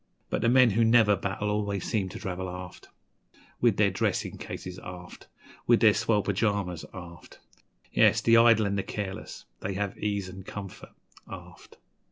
But the men who never battle always seem to travel aft; With their dressin' cases, aft, With their swell pyjamas, aft Yes! the idle and the careless, they have ease an' comfort, aft.